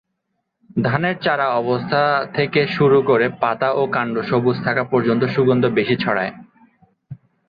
ধানের চারা অবস্থা থেকে শুরু করে পাতা ও কাণ্ড সবুজ থাকা পর্যন্ত সুগন্ধ বেশি ছড়ায়।